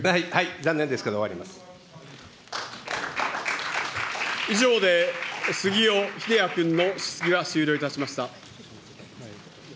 残念ですけど、以上で、杉尾秀哉君の質疑は終了いたしました。